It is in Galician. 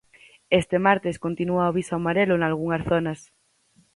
Este martes continúa o aviso amarelo nalgunhas zonas.